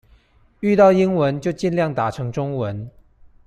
遇到英文就儘量打成中文